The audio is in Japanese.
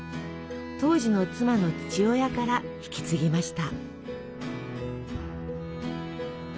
当時の妻の父親から引き継ぎました。